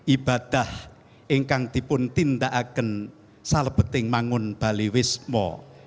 ibadah engkang tipun tinda agen salpeting mangun baliwismo